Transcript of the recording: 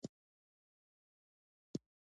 د لیکلي اساسي قانون څښتن شو.